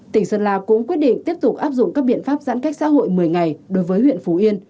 tỉnh sơn la cũng quyết định tiếp tục áp dụng các biện pháp giãn cách xã hội một mươi ngày đối với huyện phú yên